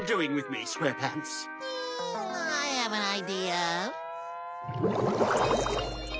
はい？